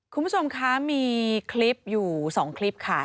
คุณผู้ชมคะมีคลิปอยู่๒คลิปค่ะ